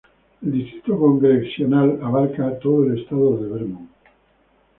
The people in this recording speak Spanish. El distrito congresional abarca a todo el estado de Vermont.